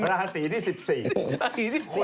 ราศีที่๑๔คุณกินงูโอเค